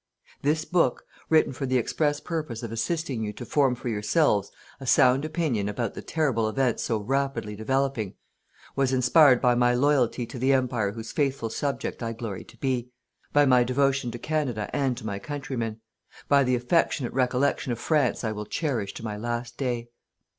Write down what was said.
"This book, written for the express purpose of assisting you to form for yourselves a sound opinion about the terrible events so rapidly developing, was inspired by my loyalty to the Empire whose faithful subject I glory to be, by my devotion to Canada and to my countrymen, by the affectionate recollection of France I will cherish to my last day.